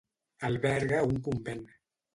Alberga un convent.